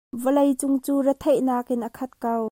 Vawleicung cu retheih nak in a khat ko.